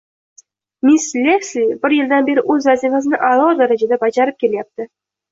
Miss Lesli bir yildan beri o`z vazifasini a`lo darajada bajarib kelyapti